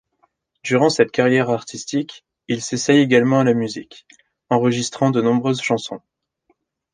Durant cette carrière artistique, il s'essaye également à la musique, enregistrant de nombreuses chansons.